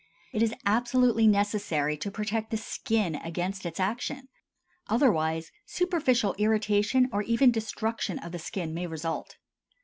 It is absolutely necessary to protect the skin against its action; otherwise superficial irritation, or even destruction of the skin may result.